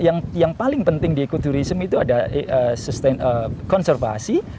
dan pilar yang paling penting di ekoturism itu ada konservasi